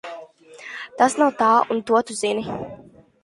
Tas nav tā, un tu to zini!